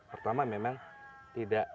pertama memang tidak